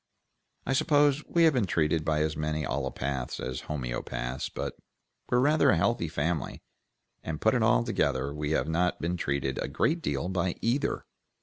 I suppose we have been treated by as many allopaths as homoeopaths, but we're rather a healthy family, and put it all together we have not been treated a great deal by either."